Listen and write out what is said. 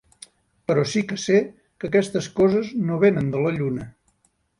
Però sí que sé que aquestes coses no vénen de la lluna.